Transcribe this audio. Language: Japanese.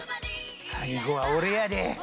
最後は俺やで！